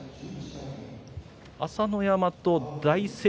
朝乃山と大成